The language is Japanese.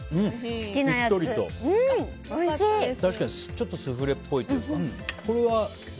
ちょっとスフレっぽいというか。